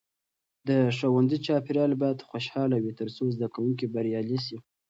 د ښوونځي چاپیریال باید خوشحاله وي ترڅو زده کوونکي بریالي سي.